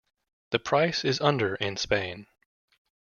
The price is under in Spain.